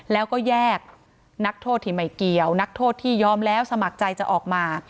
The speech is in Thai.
แล้วก็แยกนักโทษที่ไม่เกี่ยวนักโทษที่ยอมแล้วสมัครใจจะออกมา